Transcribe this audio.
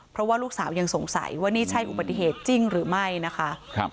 เพราะว่าลูกสาวยังสงสัยว่านี่ใช่อุบัติเหตุจริงหรือไม่นะคะ